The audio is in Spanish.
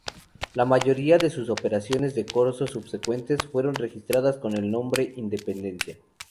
La mayoría de sus operaciones de corso subsecuentes fueron registradas con el nombre "Independencia".